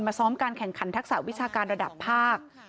ซ้อมการแข่งขันทักษะวิชาการระดับภาค